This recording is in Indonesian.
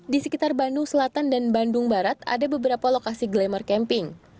di sekitar bandung selatan dan bandung barat ada beberapa lokasi glamour camping